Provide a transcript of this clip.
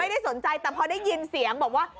ไม่ได้สนใจแต่พอได้ยินเสียงบอกว่า